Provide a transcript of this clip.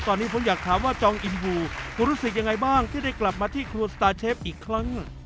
ตอนนี้ผมอยากถามว่าจองอินบูคุณรู้สึกยังไงบ้างที่ได้กลับมาที่ครัวสตาร์เชฟอีกครั้ง